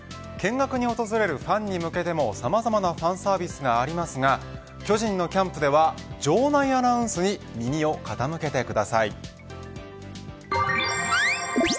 見学に訪れるファンに向けてもさまざまなファンサービスがありますが巨人のキャンプでは場内アナウンスに耳を傾けてください。